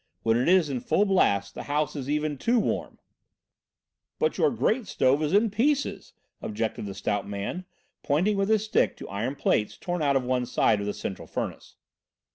When it is in full blast the house is even too warm." "But your grate stove is in pieces!" objected the stout man, pointing with his stick to iron plates torn out of one side of the central furnace.